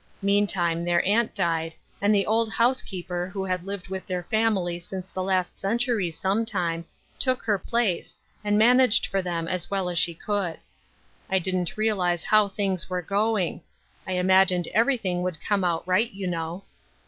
Meantime theii* aunt died, and the old house keeper, who had lived with their family since the last century sometime, took her place, and man aged for them as well as she could. I didn't realize how things were going. I imagined everything would come out right, you know."